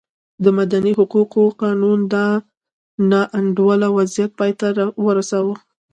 د مدني حقونو قانون دا نا انډوله وضعیت پای ته ورساوه.